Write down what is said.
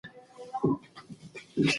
د ښځو ګډون ټولنیز عدالت ته وده ورکوي.